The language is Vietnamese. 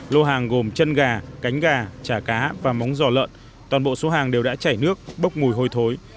lô hàng gồm chân gà cánh gà chả cá và móng giò lợn toàn bộ số hàng đều đã chảy nước bốc mùi hôi thối